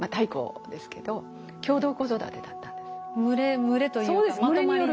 群れというかまとまりで。